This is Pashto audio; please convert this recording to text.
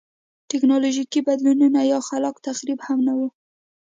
ټکنالوژیکي بدلونونه یا خلاق تخریب هم نه و.